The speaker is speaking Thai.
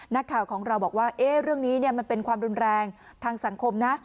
นักข่าวของเราบอกว่าเรื่องนี้มันเป็นความรุนแรงทางสังคมนะ